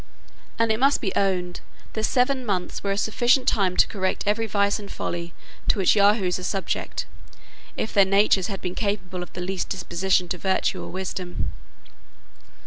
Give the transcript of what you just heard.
And it must be owned, that seven months were a sufficient time to correct every vice and folly to which Yahoos are subject, if their natures had been capable of the least disposition to virtue or wisdom.